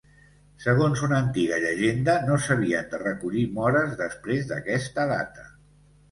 Segons una antiga llegenda, no s'havien de recollir móres després d'aquesta data.